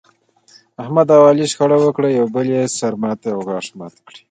احمد او علي شخړه وکړه، یو بل یې سر ماتی او غاښ ماتی کړل.